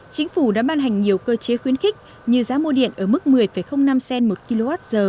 chính phủ đã ban hành nhiều cơ chế khuyến khích như giá mua điện ở mức một mươi năm cent một kwh